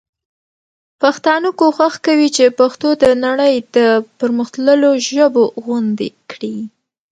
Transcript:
پښتانه کوښښ کوي چي پښتو د نړۍ د پر مختللو ژبو غوندي کړي.